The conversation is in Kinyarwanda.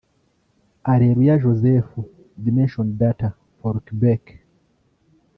Areruya Joseph Dimension Data For Qhubeka +